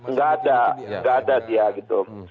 nggak ada nggak ada dia gitu